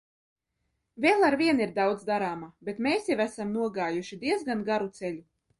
Vēl arvien ir daudz darāmā, bet mēs jau esam nogājuši diezgan garu ceļu.